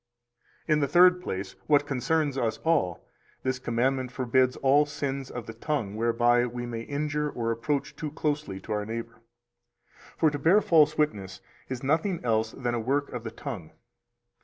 263 In the third place, what concerns us all, this commandment forbids all sins of the tongue whereby we may injure or approach too closely to our neighbor. For to bear false witness is nothing else than a work of the tongue.